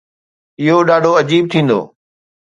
اهو ڏاڍو عجيب ٿيندو.